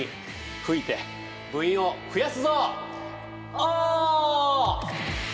お！